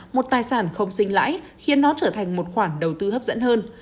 một tài sản không sinh lãi khiến nó trở thành một khoản đầu tư hấp dẫn hơn